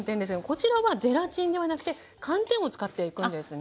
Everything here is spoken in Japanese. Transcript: こちらはゼラチンではなくて寒天を使っていくんですね。